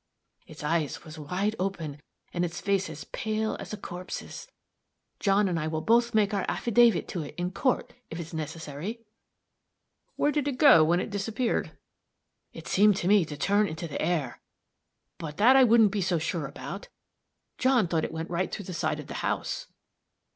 It's eyes was wide open, and it's face as pale as a corpse's. John and I will both make our affydavit to it, in court, if it's necessary." "Where did it go to when it disappeared?" "It seemed to me to turn into the air; but that I wouldn't be so sure about. John thought it went right through the side of the house."